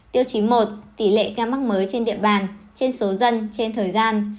tiêu chí một tỷ lệ ca mắc mới trên địa bàn trên số dân trên thời gian